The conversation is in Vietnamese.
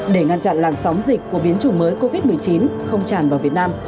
để ngăn chặn làn sóng dịch của biến chủng mới covid một mươi chín không tràn vào việt nam